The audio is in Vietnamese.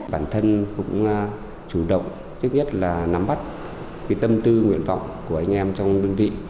bản thân cũng chủ động trước nhất là nắm bắt tâm tư nguyện vọng của anh em trong đơn vị